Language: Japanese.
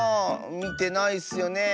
みてないッスよねえ。